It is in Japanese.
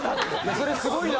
それすごいわ！